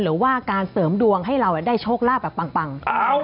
หรือว่าการเสริมดวงให้เราได้โชคลาภแบบปัง